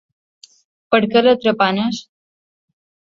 Per què la trepanes?